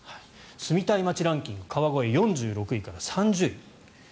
住みたい街ランキング川越、４６位から３０位。